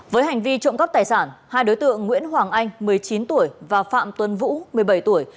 với hành vi trộm cắp tài sản hai đối tượng nguyễn hoàng anh một mươi chín tuổi và phạm tuân vũ một mươi bảy tuổi